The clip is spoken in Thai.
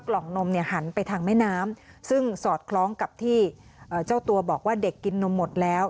กล่องนมเนี่ยหันไปทางแม่น้ำซึ่งสอดคล้องกับที่เจ้าตัวบอกว่าเด็กกินนมหมดแล้ว